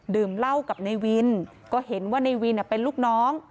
ดื่มเหล้ากับในวินก็เห็นว่าในวินเป็นลูกน้อง